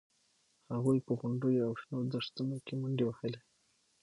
هغوی په غونډیو او شنو دښتونو کې منډې وهلې